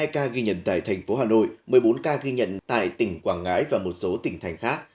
một mươi hai ca ghi nhận tại tp hcm một mươi bốn ca ghi nhận tại tỉnh quảng ngãi và một số tỉnh thành khác